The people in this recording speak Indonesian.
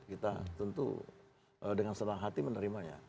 kita tentu dengan senang hati menerimanya